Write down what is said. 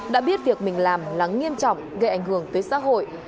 đã biết việc mình làm là nghiêm trọng gây ảnh hưởng tới xã hội